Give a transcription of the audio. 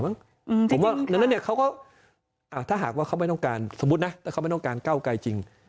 ผมว่าถ้าหากเขาไม่ต้องการเขาไม่ต้องการเก้าไก่จริง